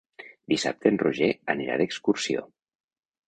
Dissabte en Roger anirà d'excursió.